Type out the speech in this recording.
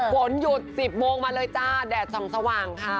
ฝนหยุด๑๐โมงมาเลยจ้าแดดส่องสว่างค่ะ